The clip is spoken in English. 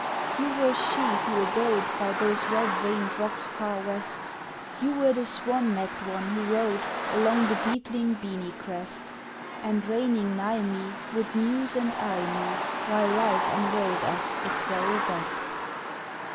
You were she who abode By those red veined rocks far West, You were the swan necked one who rode Along the beetling Beeny Crest, And, reining nigh me, Would muse and eye me, While Life unrolled us its very best.